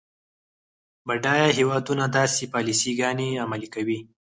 بډایه هیوادونه داسې پالیسي ګانې عملي کوي.